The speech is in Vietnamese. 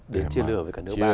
để chia lửa với cả nước bạn